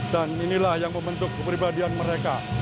dan inilah yang membentuk kepribadian mereka